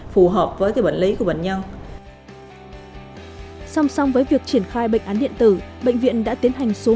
phù hợp với bản lý của bệnh nhân